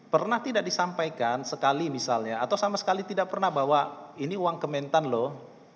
pernah tidak disampaikan sekali misalnya atau sama sekali tidak pernah bahwa ini uang kementan loh